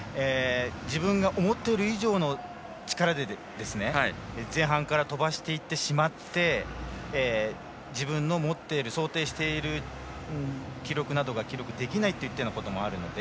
自分が思っている以上の力で前半から飛ばしていってしまって自分の持っている想定している記録などが記録できないこともあるので。